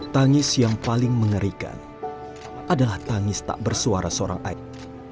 tangis yang paling mengerikan adalah tangis tak bersuara seorang aib